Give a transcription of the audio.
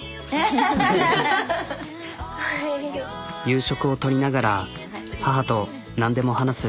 夕食をとりながら母と何でも話す。